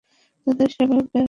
তোমাদের সেবায়, বাক ওয়াইল্ড।